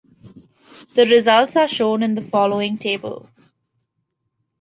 The results are shown in the following table.